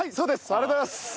ありがとうございます！